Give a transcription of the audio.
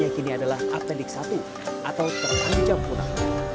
kini adalah apendik satu atau terang di campuran